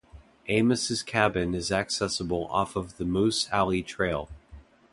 Amos' cabin is accessible off of the Moose Alley trail.